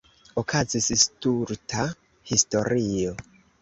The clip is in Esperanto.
Okazis stulta historio.